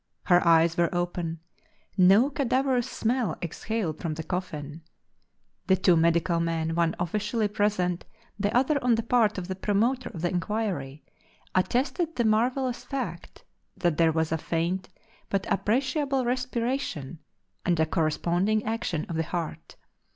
Her eyes were open; no cadaverous smell exhaled from the coffin. The two medical men, one officially present, the other on the part of the promoter of the inquiry, attested the marvelous fact that there was a faint but appreciable respiration, and a corresponding action of the heart.